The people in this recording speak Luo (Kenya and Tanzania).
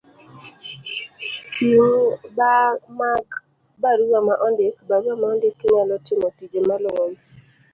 Ting ' mag barua ma ondik.barua ma ondik nyalo timo tije maluwogi.